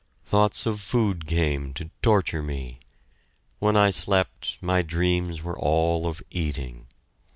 Thoughts of food came to torture me when I slept, my dreams were all of eating.